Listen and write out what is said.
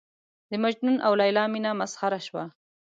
د مجنون او لېلا مینه مسخره شوه.